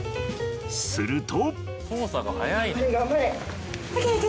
すると。